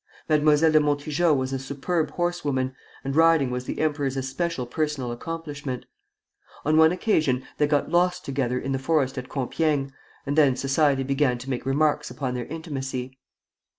Mademoiselle de Montijo was a superb horsewoman, and riding was the emperor's especial personal accomplishment. On one occasion they got lost together in the forest at Compiègne, and then society began to make remarks upon their intimacy.